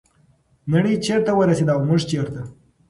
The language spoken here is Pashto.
نړۍ چیرته ورسیده او موږ چیرته؟